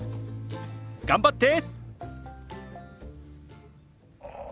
頑張って！